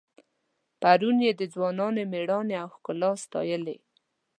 پرون یې د ځوانانو میړانې او ښکلا ستایلې.